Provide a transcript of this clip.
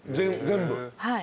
全部？